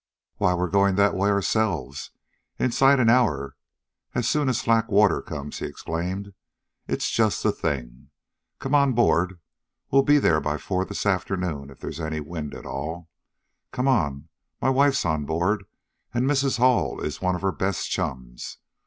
"Why, we're going that way ourselves, inside an hour, as soon as slack water comes," he exclaimed. "It's just the thing. Come on on board. We'll be there by four this afternoon if there's any wind at all. Come on. My wife's on board, and Mrs. Hall is one of her best chums.